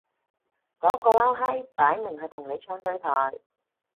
嗰個撈閪擺明係同你唱對台